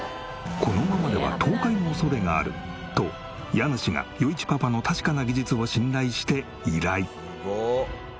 このままでは倒壊の恐れがあると家主が余一パパの確かな技術を信頼して依頼。